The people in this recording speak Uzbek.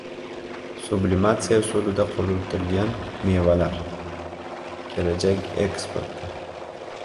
Sublimatsiya usulida quritilgan mevalar — kelajak eksporti